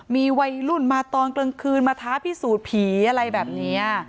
มีวัยรุ่นมาตอนกลางคืนมาท้าพิสูจน์ผีอะไรแบบนี้